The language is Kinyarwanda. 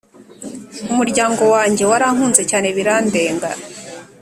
Umryango wanjye warankunze cyane birandenga